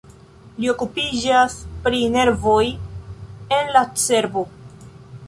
Li okupiĝas pri nervoj en la cerbo.